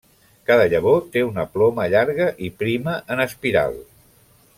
Cada llavor té una ploma llarga i prima en espiral.